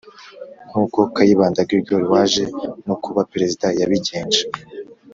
nk uko Kayibanda Gregoire waje no kuba perezida yabigenje